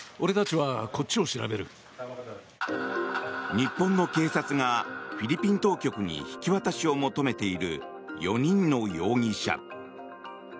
日本の警察がフィリピン当局に引き渡しを求めている４人の容疑者。